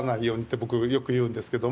僕よく言うんですけども。